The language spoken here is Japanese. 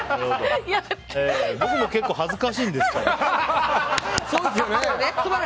僕も結構恥ずかしいんですけど。